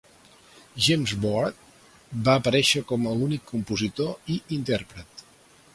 James Broad va aparèixer com l'únic compositor i intèrpret.